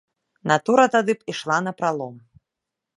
Натура тады б ішла напралом.